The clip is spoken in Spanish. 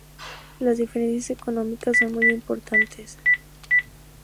Las diferencias económicas son muy importantes.